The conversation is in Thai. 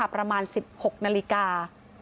ประมาณ๑๖นาฬิกา